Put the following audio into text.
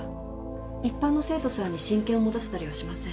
一般の生徒さんに真剣を持たせたりはしません。